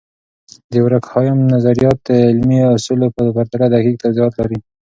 د دورکهايم نظریات د علمي اصولو په پرتله دقیق توضیحات لري.